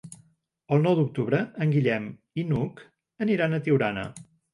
El nou d'octubre en Guillem i n'Hug aniran a Tiurana.